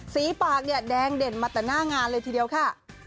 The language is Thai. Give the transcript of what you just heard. สีปากเนี่ยแดงเด่นมาแต่หน้างานเลยทีเดียวค่ะ